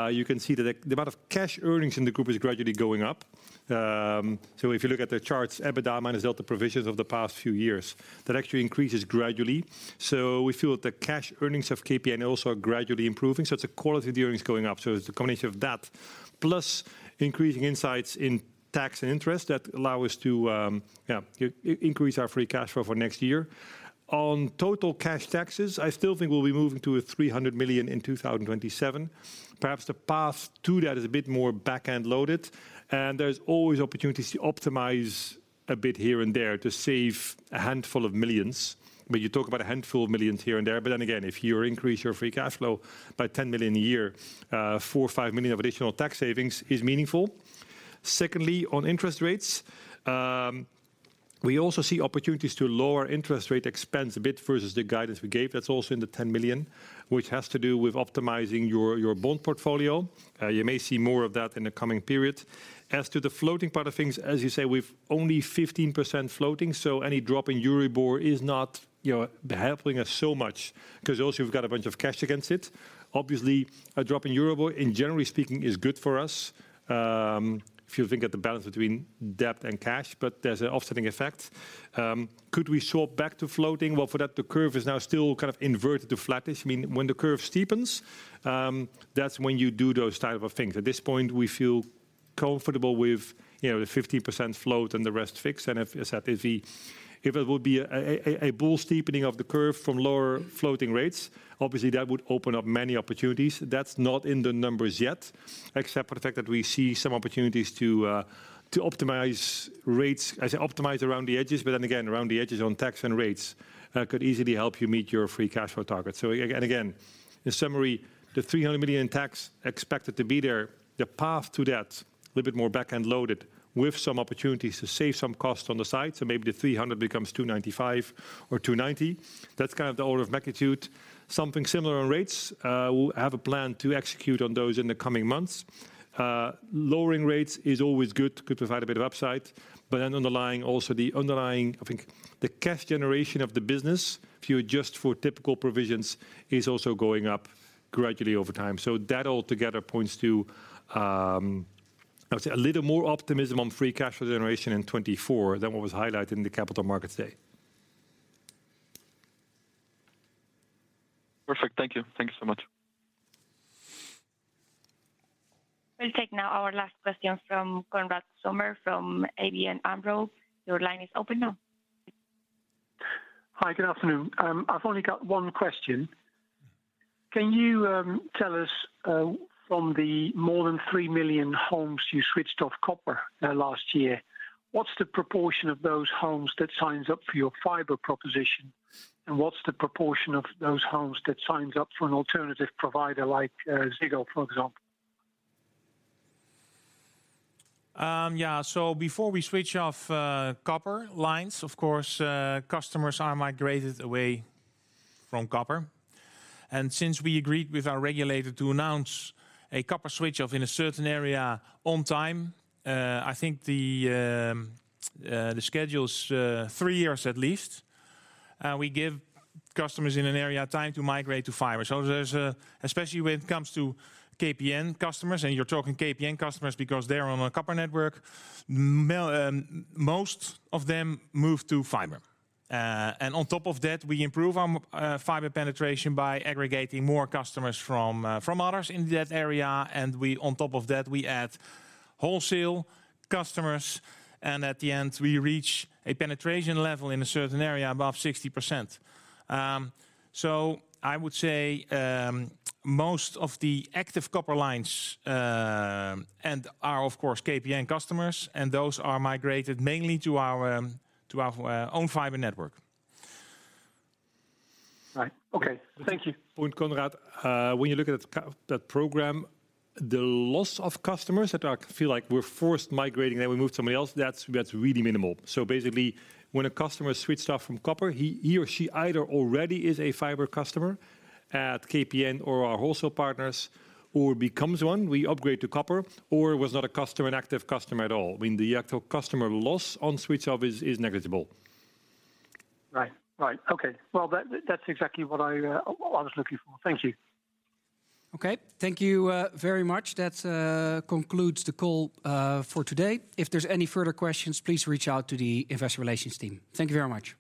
you can see that the amount of cash earnings in the group is gradually going up. So if you look at the charts, EBITDA minus delta provisions of the past few years, that actually increases gradually. So we feel the cash earnings of KPN also are gradually improving, so it's the quality of earnings going up. So it's a combination of that, plus increasing insights in tax and interest that allow us to, increase our free cash flow for next year. On total cash taxes, I still think we'll be moving to a 300 million in 2027. Perhaps the path to that is a bit more back-end loaded, and there's always opportunities to optimize a bit here and there to save a handful of millions. But you talk about a handful of millions here and there, but then again, if you increase your free cash flow by 10 million a year, 4 million or 5 million of additional tax savings is meaningful. Secondly, on interest rates, we also see opportunities to lower interest rate expense a bit versus the guidance we gave. That's also in the 10 million, which has to do with optimizing your bond portfolio. You may see more of that in the coming period. As to the floating part of things, as you say, we've only 15% floating, so any drop in EURIBOR is not, you know, helping us so much, because also we've got a bunch of cash against it. Obviously, a drop in EURIBOR, in generally speaking, is good for us, if you think of the balance between debt and cash, but there's an offsetting effect. Could we swap back to floating? Well, for that, the curve is now still kind of inverted to flattish. I mean, when the curve steepens, that's when you do those type of things. At this point, we feel comfortable with, you know, the 50% float and the rest fixed. And if, as I said, if it would be a bull steepening of the curve from lower floating rates, obviously that would open up many opportunities. That's not in the numbers yet, except for the fact that we see some opportunities to optimize rates, as I optimize around the edges, but then again, around the edges on tax and rates, could easily help you meet your free cash flow target. So, and again, in summary, the 300 million in tax expected to be there, the path to that a little bit more back-end loaded, with some opportunities to save some cost on the side, so maybe the 300 million becomes 295 million or 290 million. That's kind of the order of magnitude. Something similar on rates, we'll have a plan to execute on those in the coming months. Lowering rates is always good, could provide a bit of upside, but then underlying also the underlying, I think the cash generation of the business, if you adjust for typical provisions, is also going up gradually over time. So that altogether points to, I would say a little more optimism on free cash flow generation in 2024 than what was highlighted in the Capital Markets Day. Perfect. Thank you. Thank you so much. We'll take now our last question from Konrad Zomer, from ABN AMRO. Your line is open now. Hi, good afternoon. I've only got one question. Can you tell us from the more than 3 million homes you switched off copper last year, what's the proportion of those homes that signs up for your fiber proposition? And what's the proportion of those homes that signs up for an alternative provider, like Ziggo, for example? Yeah, so before we switch off copper lines, of course, customers are migrated away from copper. And since we agreed with our regulator to announce a copper switch off in a certain area on time, I think the schedule is three years at least. We give customers in an area time to migrate to fiber. So there's— especially when it comes to KPN customers, and you're talking KPN customers because they're on a copper network, most of them move to fiber. And on top of that, we improve our fiber penetration by aggregating more customers from others in that area, and on top of that, we add wholesale customers, and at the end, we reach a penetration level in a certain area above 60%. So, I would say most of the active copper lines are, of course, KPN customers, and those are migrated mainly to our own fiber network. Right. Okay. Thank you. And Konrad, when you look at that program, the loss of customers that feel like we're forced migrating, then we move to somebody else, that's really minimal. So basically, when a customer switched off from copper, he or she either already is a fiber customer at KPN or our wholesale partners or becomes one, we upgrade to copper or was not a customer, an active customer at all. I mean, the actual customer loss on switch off is negligible. Right. Right. Okay. Well, that, that's exactly what I was looking for. Thank you. Okay. Thank you very much. That concludes the call for today. If there's any further questions, please reach out to the Investor Relations team. Thank you very much.